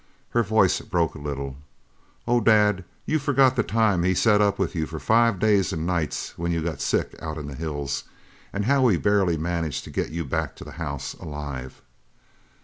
Her voice broke a little. "Oh, Dad, you forget the time he sat up with you for five days and nights when you got sick out in the hills, and how he barely managed to get you back to the house alive!"